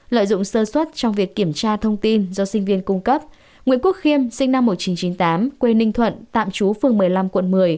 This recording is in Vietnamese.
lợi dụng sơ xuất trong việc kiểm tra thông tin do sinh viên cung cấp nguyễn quốc khiêm sinh năm một nghìn chín trăm chín mươi tám quê ninh thuận tạm trú phường một mươi năm quận một mươi